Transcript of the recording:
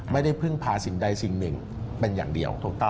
ไม่ได้พึ่งพาสิ่งใดสิ่งหนึ่งเป็นอย่างเดียวถูกต้อง